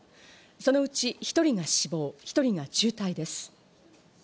そのうち１人が死亡、１人が重体です。